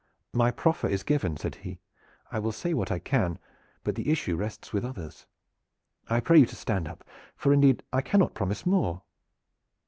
"My proffer is given," said he. "I will say what I can; but the issue rests with others. I pray you to stand up, for indeed I cannot promise more."